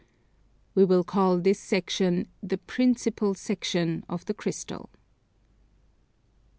We will call this section the principal section of the Crystal. 9.